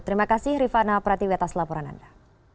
terima kasih rifana pratiwetas laporan anda